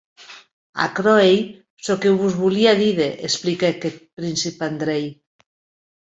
Aquerò ei çò que vos volia díder, expliquèc eth prince Andrei.